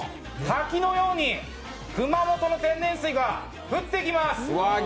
滝のように熊本の天然水が降ってきます。